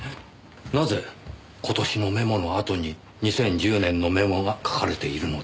なぜ今年のメモのあとに２０１０年のメモが書かれているのでしょう。